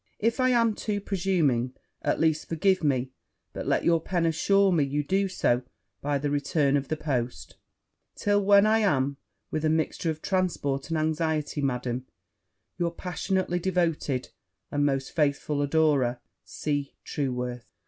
If I am too presuming, at least forgive me; but let your pen assure me you do so by the return of the post; till when I am, with a mixture of transport and anxiety, Madam, your passionately devoted, and most faithful adorer, C. TRUEWORTH.'